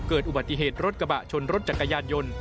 เกิดอุบัติเหตุรถกระบะชนรถจักรยานยนต์